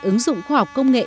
ứng dụng khoa học công nghệ